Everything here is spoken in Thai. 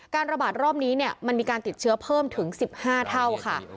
ระบาดรอบนี้มันมีการติดเชื้อเพิ่มถึง๑๕เท่าค่ะ